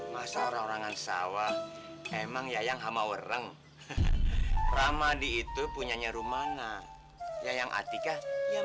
masa orang orangan sawah emang ya yang hamawereng ramadi itu punya ny serun mana yang atika yang